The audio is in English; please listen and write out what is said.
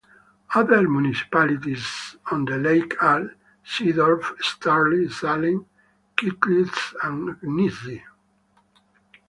Other municipalities on the lake are Seedorf, Sterley, Salem, Kittlitz and Kneese.